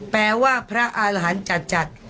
แปลว่าพระอาหารจัด